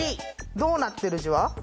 どうなってるじわ？